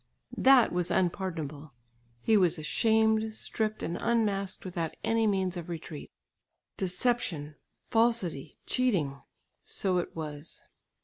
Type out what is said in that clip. That was unpardonable. He was ashamed, stripped and unmasked without any means of retreat. Deception, falsity, cheating! So it was!